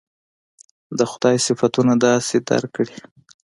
د خدای صفتونه داسې درک کړي.